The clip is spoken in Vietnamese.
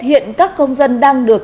hiện các công dân đang được